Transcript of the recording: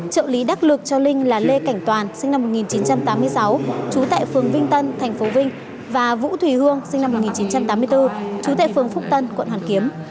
trợ lý đắc lực cho linh là lê cảnh toàn sinh năm một nghìn chín trăm tám mươi sáu trú tại phường vinh tân tp vinh và vũ thùy hương sinh năm một nghìn chín trăm tám mươi bốn trú tại phường phúc tân quận hoàn kiếm